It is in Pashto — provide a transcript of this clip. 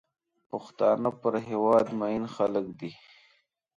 پښتانه پر هېواد مین خلک دي.